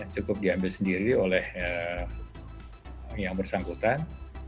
cukup diambil sendiri oleh yang bersangkutan